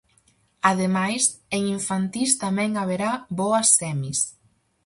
Ademais, en infantís tamén haberá boas semis.